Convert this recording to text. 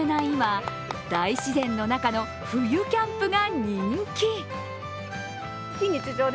今大自然の中の冬キャンプが人気。